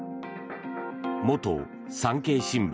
元産経新聞